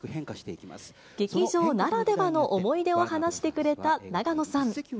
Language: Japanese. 劇場ならではの思い出を話してくれた永野さん。